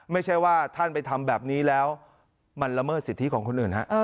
ไม่ใช่ว่าท่านไปทำแบบนี้แล้วมันละเมิดสิทธิของคนอื่นฮะ